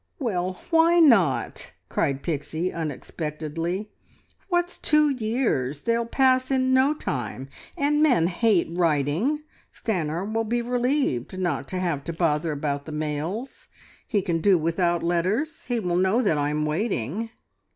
"Well why not?" cried Pixie unexpectedly. "What's two years? They'll pass in no time. And men hate writing. Stanor will be relieved not to have to bother about the mails. He can do without letters. He will know that I am waiting."